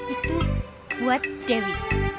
itu buat dewi